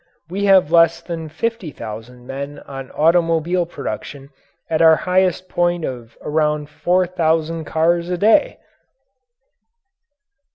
We have less than fifty thousand men on automobile production at our highest point of around four thousand cars a day!